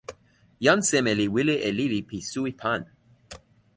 jan seme li wile e lili pi suwi pan.